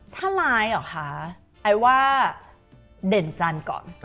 ถ้าร้ายเหรอคะไอ้ว่าเด่นจันทร์ก่อน